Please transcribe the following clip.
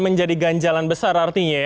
menjadi ganjalan besar artinya ya